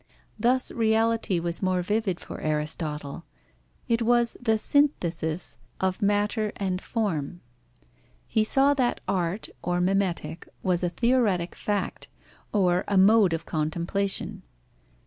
Thus reality was more vivid for Aristotle: it was the synthesis of matter and form. He saw that art, or mimetic, was a theoretic fact, or a mode of contemplation.